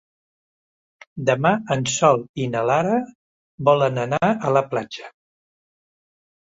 Demà en Sol i na Lara volen anar a la platja.